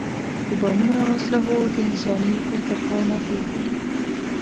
د بمونو او اسلحو د انساني ارتقا نفي بولي.